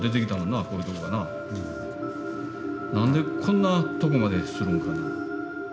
何でこんなとこまでするんかな。